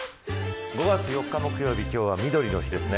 ５月４日木曜日今日はみどりの日ですね。